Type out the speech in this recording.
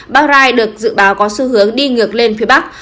bão rai được dự báo có xu hướng đi ngược lên phía bắc